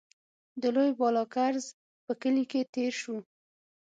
د لوی بالاکرز په کلي کې تېر شوو.